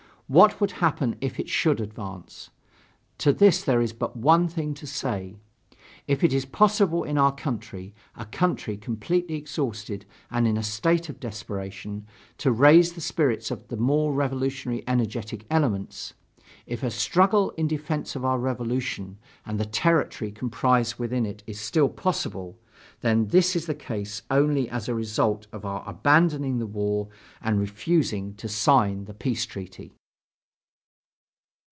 What would happen if it should advance? To this there is but one thing to say: If it is possible in our country, a country completely exhausted and in a state of desperation, to raise the spirits of the more revolutionary energetic elements; if a struggle in defence of our Revolution and the territory comprised within it is still possible, then this is the case only as a result of our abandoning the war and refusing to sign the peace treaty.